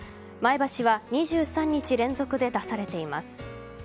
前橋は２３日連続で出されています。